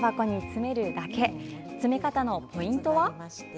詰め方のポイントは。